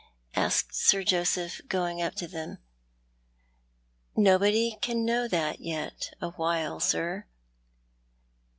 asked Sir Joseph, going up to them. " Nobody can know that yet awhile, sii".''